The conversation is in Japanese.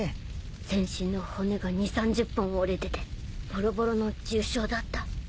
全身の骨が２０３０本折れててボロボロの重傷だった。